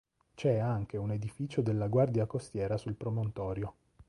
C'è anche un edificio della guardia costiera sul promontorio.